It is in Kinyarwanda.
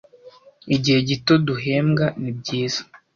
Igihe gito duhembwa, nibyiza.